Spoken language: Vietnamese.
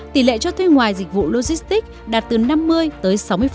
tỷ lệ cho thuê ngoài dịch vụ logistics đạt từ năm mươi tới sáu mươi